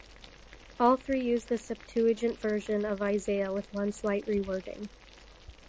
All three use the Septuagint version of Isaiah with one slight rewording.